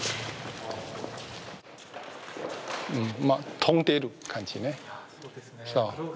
飛んでる感じね。